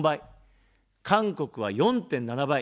韓国は４．７倍。